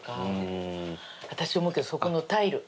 私思うけどそこのタイル。